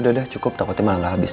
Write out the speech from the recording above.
udah udah cukup takutnya malah gak habis